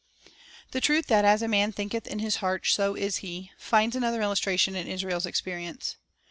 1 The truth that as a man "thinketh in his heart, so is he,"" finds another illustration in Israel's experience.